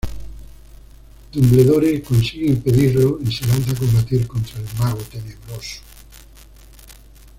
Dumbledore consigue impedirlo y se lanza a combatir contra el mago tenebroso.